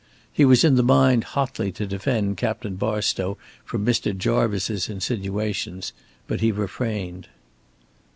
He was in the mind hotly to defend Captain Barstow from Mr. Jarvice's insinuations, but he refrained.